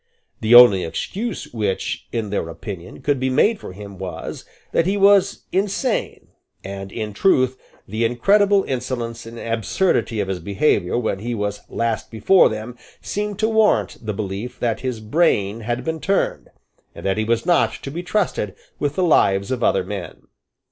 The only excuse which, in their opinion, could be made for him was, that he was insane; and in truth, the incredible insolence and absurdity of his behaviour when he was last before them seemed to warrant the belief that his brain had been turned, and that he was not to be trusted with the lives of other men.